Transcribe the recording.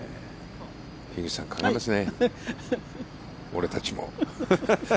樋口さん考えますね、俺たちも。